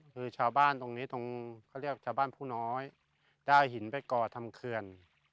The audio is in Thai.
ตรงเช่าบ้านผู้น้อยได้อ้อนหินเพื่อก่อทำเคลื่อน